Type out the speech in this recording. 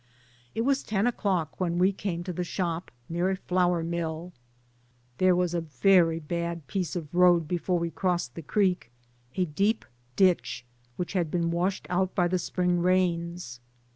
It was ten o'clock when we came to the shop, near a flour mill. There was a very bad piece of road before we crossed the creek, a deep ditch had been washed out by the Spring rains.